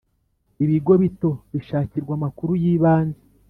Ibigo bito bishakirwa amakuru y’ ibanze